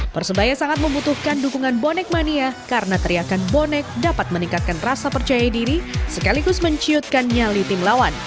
persebaya sangat membutuhkan dukungan bonek mania karena teriakan bonek dapat meningkatkan rasa percaya diri sekaligus menciutkan nyali tim lawan